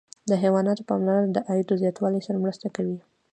د حیواناتو پاملرنه د عاید زیاتوالي سره مرسته کوي.